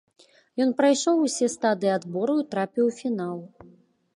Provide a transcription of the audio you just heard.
Ён прайшоў усе стадыі адбору і трапіў у фінал.